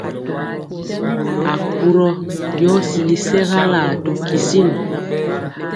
Akurɔ yɔ sili sɛgalaa to kisin.